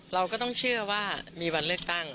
เราก็ต้องเชื่อว่ามีวันเลือกตั้ง